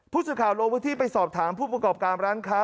ผู้ช่วยข่าวโลกวิธีไปสอบถามผู้ประกอบกรามร้านค้า